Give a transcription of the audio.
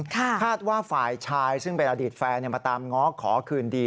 คาดว่าฝ่ายชายซึ่งเป็นอดีตแฟนมาตามง้อขอคืนดี